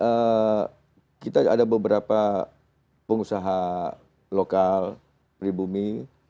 dari kita ada beberapa pengusaha lokal di bumi